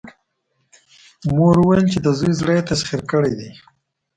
مور يې وويل چې د زوی زړه يې تسخير کړی دی.